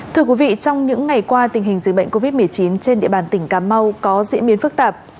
trong những ngày qua tình hình dưới bệnh covid một mươi chín trên địa bàn tỉnh cà mau có diễn biến phức tạp